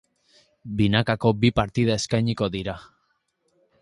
Binakako bi partida eskainiko dira.